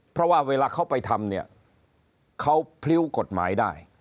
เพราะว่าเวลาเขาไปทำเนี่ยเขาพริ้วกฎหมายได้